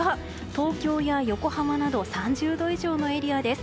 東京や横浜など３０度以上のエリアです。